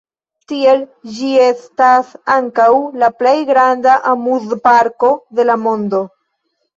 Tiel, ĝi estas ankaŭ la plej granda amuzparko de la mondo.